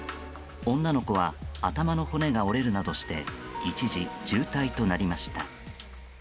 女の子は頭の骨が折れるなどして一時重体となりました。